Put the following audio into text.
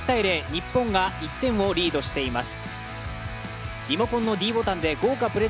日本が１点をリードしています。